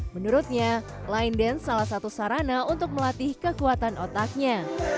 menurutnya line dance salah satu sarana untuk melatih kekuatan otaknya